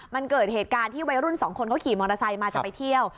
มันเกิดเหตุการณ์ที่วัยรุ่นสองคนเขาขี่มอเตอร์ไซค์มาจะไปเที่ยว